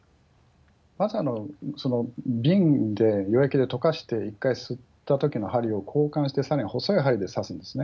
まずその瓶で、溶液で溶かして一回吸ったときの針を交換して、さらに細い針で刺すんですね。